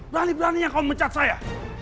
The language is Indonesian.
berani beraninya kau mecat saya